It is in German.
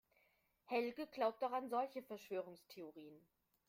Helge glaubt auch an solche Verschwörungstheorien.